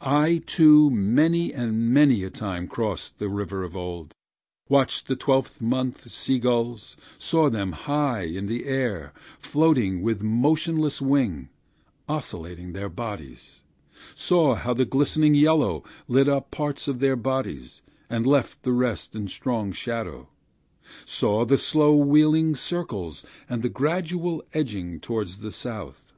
I too many and many a time crossed the river, the sun half an hour high; I watched the twelfth month sea gulls I saw them high in the air, floating with motionless wings, oscillating their bodies, I saw how the glistening yellow lit up parts of their bodies, and left the rest in strong shadow, I saw the slow wheeling circles, and the gradual edging toward the south.